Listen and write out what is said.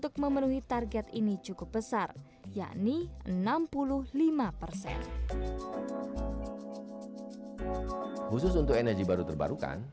khusus untuk energi baru terbarukan